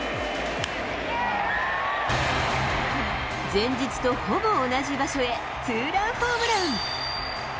前日とほぼ同じ場所へツーランホームラン。